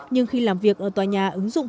nhưng khi làm việc ở tòa nhà ứng dụng